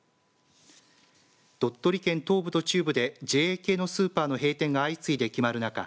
鳥取県東部と中部でＪＡ系のスーパーの閉店が相次いで決まる中